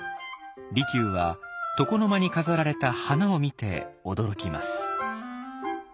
利休は床の間に飾られた花を見て驚きます。